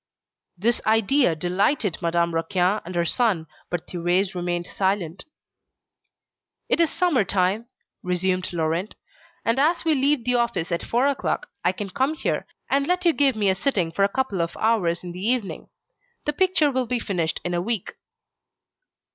This idea delighted Madame Raquin and her son, but Thérèse remained silent. "It is summer time," resumed Laurent, "and as we leave the office at four o'clock, I can come here, and let you give me a sitting for a couple of hours in the evening. The picture will be finished in a week."